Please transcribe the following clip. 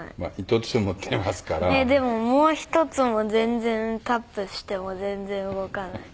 でももう一つも全然タップしても全然動かない。